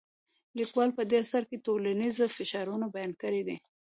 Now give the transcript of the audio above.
لیکوال په دې اثر کې ټولنیز فشارونه بیان کړي دي.